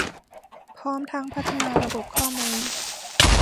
พร้อมทั้งพัฒนาระบบข้อมูล